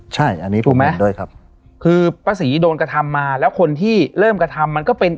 ใช่อันนี้ถูกไหมด้วยครับคือป้าศรีโดนกระทำมาแล้วคนที่เริ่มกระทำมันก็เป็น